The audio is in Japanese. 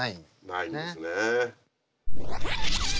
ないんですね。